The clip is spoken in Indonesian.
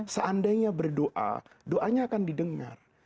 seandainya berdoa doanya akan didengar